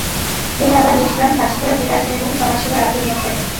তিনি আবার নিজ গ্রাম হাজিপুরে ফিরে আসেন এবং সমাজসেবায় আত্মনিয়োগ করেন।